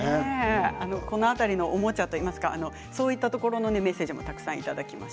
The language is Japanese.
この辺りのおもちゃというかそういったところのメッセージをたくさんいただいています。